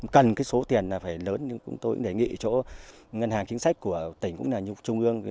cần cái số tiền là phải lớn nhưng tôi cũng đề nghị chỗ ngân hàng chính sách của tỉnh cũng là như trung ương